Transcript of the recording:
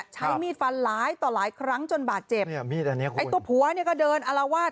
ใช้มีดฟันหลายต่อหลายครั้งจนบาดเจ็บตัวผัวก็เดินอารวาส